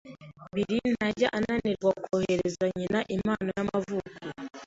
Bill ntajya ananirwa kohereza nyina impano y'amavuko.